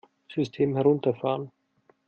System herunterfahren!